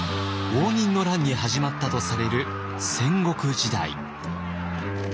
応仁の乱に始まったとされる戦国時代。